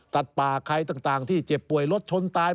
สัตว์ป่าใครต่างที่เจ็บป่วยลดชนตาย